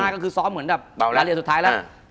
ก็คือซ้อมเหมือนแบบรายละเอียดสุดท้ายแล้ว